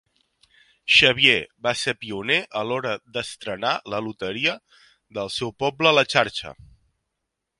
Xavier, va ser pioner a l'hora d'estrenar la Loteria del seu poble a la Xarxa.